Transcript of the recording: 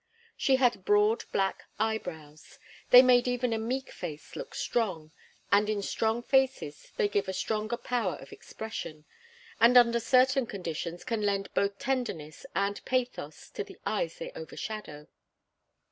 She had broad, black eyebrows. They make even a meek face look strong, and in strong faces they give a stronger power of expression, and under certain conditions can lend both tenderness and pathos to the eyes they overshadow.